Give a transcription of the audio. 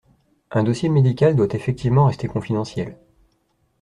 Un dossier médical doit effectivement rester confidentiel.